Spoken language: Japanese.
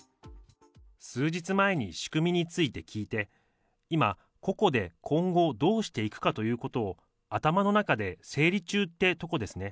数日前に仕組みについて聞いて、今、個々で今後どうしていくかということを頭の中で整理中ってとこですね。